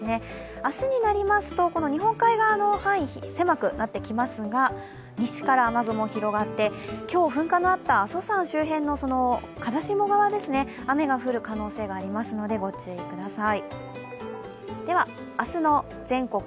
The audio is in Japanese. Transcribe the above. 明日になりますと日本海側の範囲狭くなってきますが西から雨雲広がって今日噴火のあった阿蘇山周辺の風下側、雨が降る可能性がありますので御注意ください。